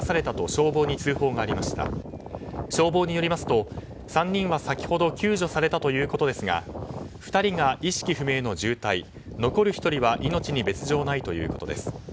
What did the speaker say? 消防によりますと３人は先ほど救助されたということですが２人が意識不明の重体残る１人は命に別条ないということです。